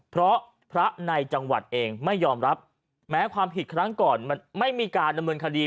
เพราะพระในจังหวัดเองไม่ยอมรับแม้ความผิดครั้งก่อนมันไม่มีการดำเนินคดี